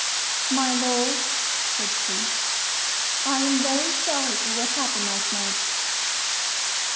"My lord," said she, "I am very sorry for what happened last night."